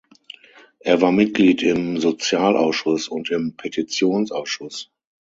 Er war Mitglied im Sozialausschuss und im Petitionsausschuss.